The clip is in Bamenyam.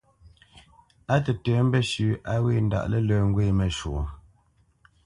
Á tətə̌ mbəshʉ̂ a wě ndaʼ lə̂lə̄ ŋgwě məshwǒ.